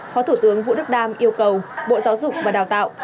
phó thủ tướng vũ đức đam yêu cầu bộ giáo dục và đào tạo